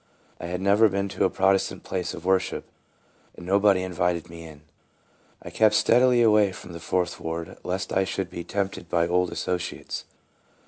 I had never been to a Protestant place of worship, and nobody invited me in. I kept steadily away from the Fourth ward, lest I should be tempt ed by old associates.